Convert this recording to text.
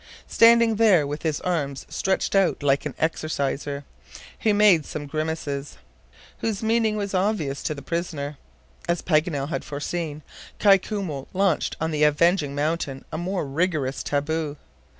Standing there, with his arms stretched out like an exerciser, he made some grimaces, whose meaning was obvious to the prisoners. As Paganel had foreseen, Kai Koumou launched on the avenging mountain a more rigorous taboo.